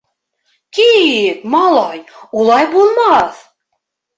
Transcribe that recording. — Кит, малай, улай булмаҫ!..